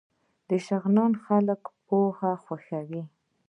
د شغنان خلک پوهه خوښوي